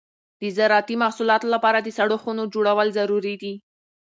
د زراعتي محصولاتو لپاره د سړو خونو جوړول ضروري دي.